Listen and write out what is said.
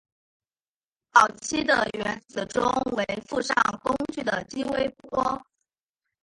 早期的原子钟为附上工具的激微波。